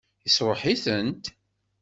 Yesṛuḥ-itent?